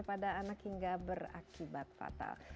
pada anak hingga berakibat fatal